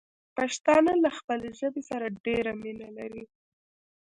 پښتانه له خپلې ژبې سره ډېره مينه لري.